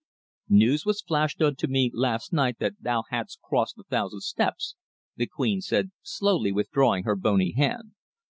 "News was flashed unto me last night that thou hadst crossed the Thousand Steps," the Queen said, slowly withdrawing her bony hand.